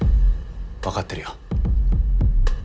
わかってるよ。